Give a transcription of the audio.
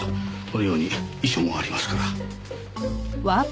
このように遺書もありますから。